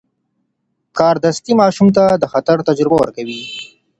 کاردستي ماشوم ته د خطر تجربه ورکوي.